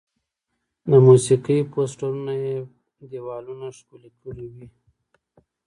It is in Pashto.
د موسیقي پوسټرونه یې دیوالونه ښکلي کړي وي.